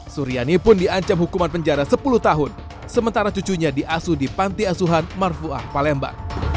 suryani pun diancam hukuman penjara sepuluh tahun sementara cucunya diasuh di panti asuhan marfuah palembang